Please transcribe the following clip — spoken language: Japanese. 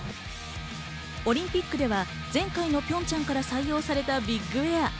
オリンピックでは前回のピョンチャンから採用されたビッグエア。